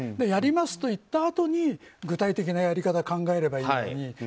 やりますと言ったあとに具体的なやり方考えればいいのに